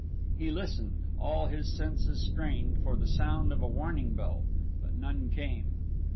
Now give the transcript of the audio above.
He listened, all his senses strained, for the sound of a warning bell, but none came.